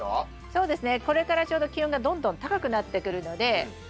そうですね。